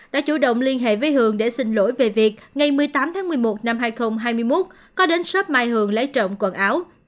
đồng hệ với hường để xin lỗi về việc ngày một mươi tám tháng một mươi một năm hai nghìn hai mươi một có đến sớp mai hường lấy trộm quần áo